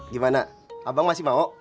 gimana abang masih mau